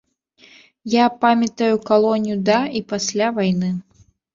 Я памятаю калонію да і пасля вайны.